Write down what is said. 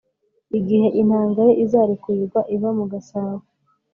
igihe intanga ye izarekurirwa iva mu gasabo